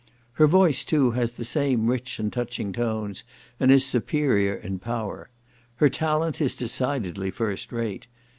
Her voice, too, has the same rich and touching tones, and is superior in power. Her talent is decidedly first rate.